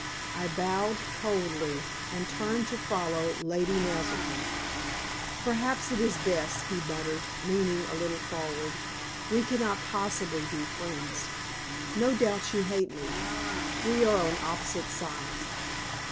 I bowed coldly, and turned to follow Lady Naselton. "Perhaps it is best," he murmured, leaning a little forward. "We cannot possibly be friends; no doubt you hate me; we are on opposite sides.